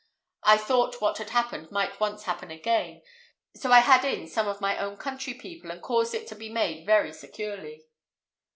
I thought what had happened once might happen again; and so I had in some of my own country people, and caused it to be made very securely."